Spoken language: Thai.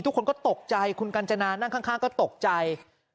ทุกคนก็ตกใจคุณกัญจนานั่งข้างก็ตกใจ